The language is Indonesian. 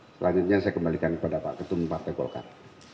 selanjutnya saya kembalikan kepada pak ketum partai golkar